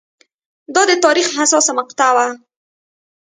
دا د تاریخ حساسه مقطعه وه.